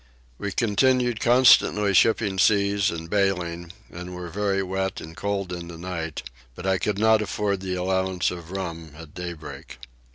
We continued constantly shipping seas and baling, and were very wet and cold in the night; but I could not afford the allowance of rum at daybreak.